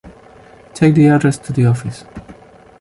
Take the address to the office.